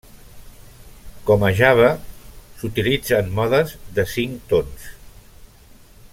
Com a Java, s'utilitzen modes de cinc tons.